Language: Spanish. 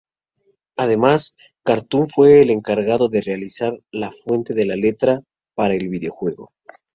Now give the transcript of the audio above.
Además, Cartoon fue el encargado de realizar la fuente de letra para el videojuego.